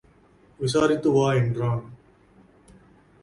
விசாரித்து வா என்றான்.